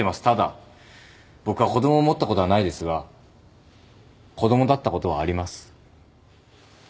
ただ僕は子供を持ったことはないですが子供だったことはあります。